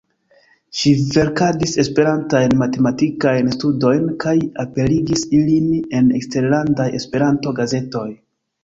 Ŝi verkadis Esperantajn matematikajn studojn kaj aperigis ilin en eksterlandaj Esperanto-gazetoj.